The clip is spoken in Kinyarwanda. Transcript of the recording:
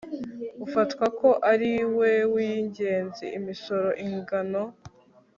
ufatwa ko ari we w ingenzi imisoro ingano